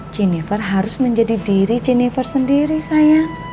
jennifer harus menjadi diri jennifer sendiri saya